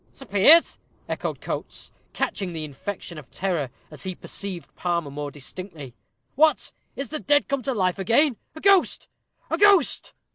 "Sir Piers!" echoed Coates, catching the infection of terror, as he perceived Palmer more distinctly. "What! is the dead come to life again? A ghost, a ghost!"